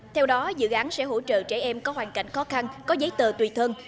theo đó dự án sẽ hỗ trợ trẻ em có hoàn cảnh khó khăn có giấy tờ tùy thân